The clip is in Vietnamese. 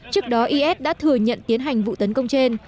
trước đó is đã thừa nhận tiến hành vụ tấn công trên